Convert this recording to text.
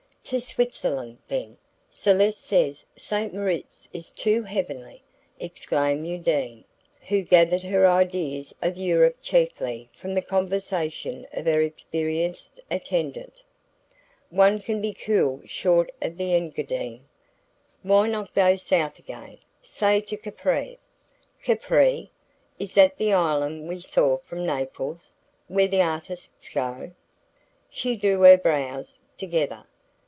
"To Switzerland, then? Celeste says St. Moritz is too heavenly," exclaimed Undine, who gathered her ideas of Europe chiefly from the conversation of her experienced attendant. "One can be cool short of the Engadine. Why not go south again say to Capri?" "Capri? Is that the island we saw from Naples, where the artists go?" She drew her brows together.